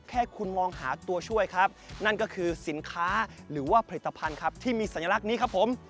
แค่คุณมองหาตัวช่วยครับนั่นก็คือสินค้าหรือว่าผลิตภัณฑ์ครับที่มีสัญลักษณ์นี้ครับผม